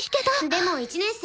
でも１年生。